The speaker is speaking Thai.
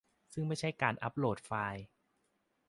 ซึ่งไม่ใช่การอัปโหลดไฟล์